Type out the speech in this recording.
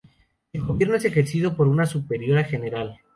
El gobierno es ejercido por una superiora general.